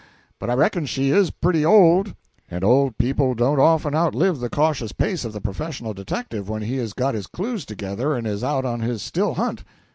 But I reckon she is pretty old, and old people don't often outlive the cautious pace of the professional detective when he has got his clues together and is out on his still hunt."